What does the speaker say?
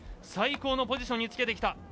最高のポジションにつけてきた。